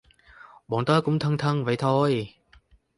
bọn tớ thì cũng thân thân vậy thôi